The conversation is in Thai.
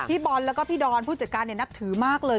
พี่บอลแล้วก็พี่ดอนผู้จัดการนับถือมากเลย